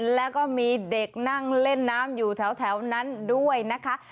แล้วก็มีเด็กนั่งเล่นน้ำอยู่แถวนั้นด้วยนะคะ